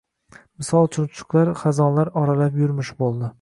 Misoli, chumchuqlar xazonlar oralab yurmish bo‘ldi.